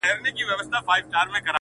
ستا انګور انګور کتو مست و مدهوش کړم,